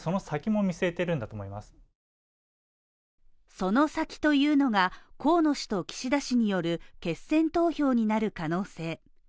その先というのが河野氏と岸田氏による決選投票になる可能性。